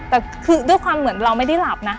แต่คือด้วยความเหมือนเราไม่ได้หลับนะ